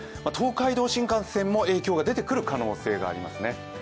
東海道新幹線も影響が出てくる可能性もあります。